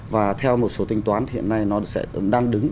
và theo một số tính toán thì hiện nay nó sẽ đang đứng